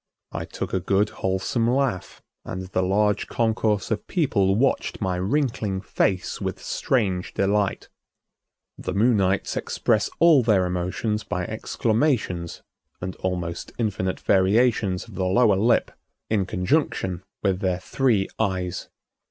I took a good wholesome laugh, and the large concourse of people watched my wrinkling face with strange delight. The Moonites express all their emotions by exclamations and almost infinite variations of the lower lip in conjunction with their three eyes.